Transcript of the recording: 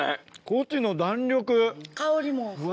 コチの弾力。